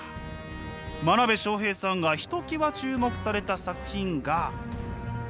真鍋昌平さんがひときわ注目された作品が。